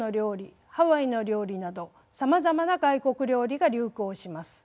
ハワイの料理などさまざまな外国料理が流行します。